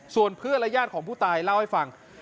ส่วนเพื่อนและญาติของผู้ตายเล่าให้ฟัง